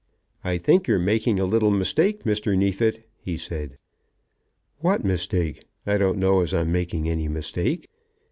"I think you're making a little mistake, Mr. Neefit," he said. "What mistake? I don't know as I'm making any mistake.